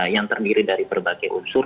yang terdiri dari berbagai unsur